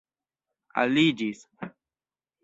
aliĝis